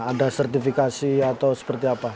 ada sertifikasi atau seperti apa